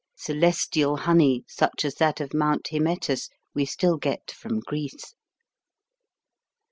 (Celestial honey, such as that of Mount Hymettus we still get from Greece.)